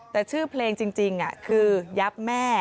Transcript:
แต่ชื่อเพลงจริงคือยับแม่